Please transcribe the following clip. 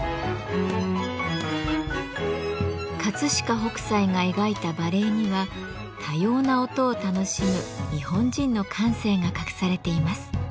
飾北斎が描いた馬鈴には多様な音を楽しむ日本人の感性が隠されています。